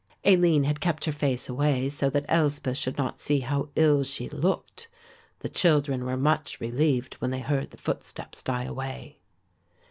Aline had kept her face away so that Elspeth should not see how ill she looked. The children were much relieved when they heard the footsteps die away.